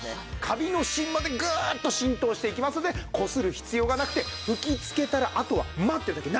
カビの芯までグーッと浸透していきますのでこする必要がなくて吹きつけたらあとは待ってるだけ。